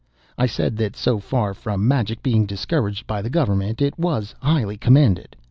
I said that so far from magic being discouraged by the Government it was highly commended.